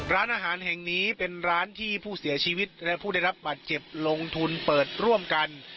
ร้านอาหารแห่งนี้เป็นร้านที่ผู้เสียชีวิตและผู้ได้รับบาดเจ็บลงทุนเปิดร่วมกัน